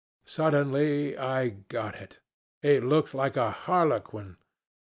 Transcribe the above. Suddenly I got it. He looked like a harlequin.